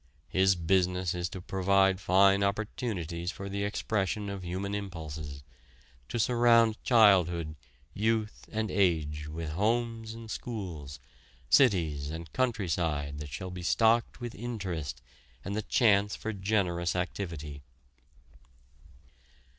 His business is to provide fine opportunities for the expression of human impulses to surround childhood, youth and age with homes and schools, cities and countryside that shall be stocked with interest and the chance for generous activity.